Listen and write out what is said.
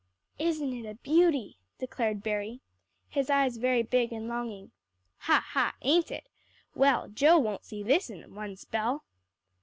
"Isn't it a beauty!" declared Berry, his eyes very big and longing. "Ha, ha ain't it? Well, Joe won't see this in one spell."